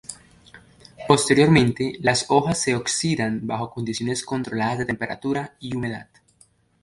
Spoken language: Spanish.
Posteriormente las hojas se "oxidan" bajo condiciones controladas de temperatura y humedad.